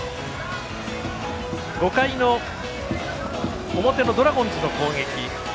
５回の表のドラゴンズの攻撃。